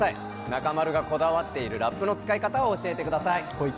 中丸がこだわっているラップの使い方を教えてください。